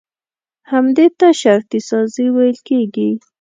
همدې ته شرطي سازي ويل کېږي.